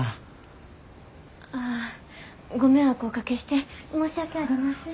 ああご迷惑をおかけして申し訳ありません。